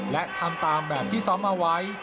และทำตามแบบที่ซ้อมเอาไว้